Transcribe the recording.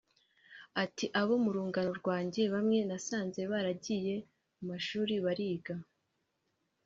Ati “Abo mu rungano rwanjye bamwe nasanze baragiye mu mashuri bariga